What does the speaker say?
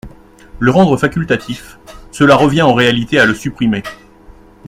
Le rendre facultatif, cela revient en réalité à le supprimer.